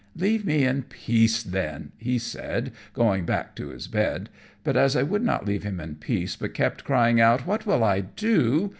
"Leave me in peace then," he said, going back to his bed; but as I would not leave him in peace, but kept crying out, "What will I do?"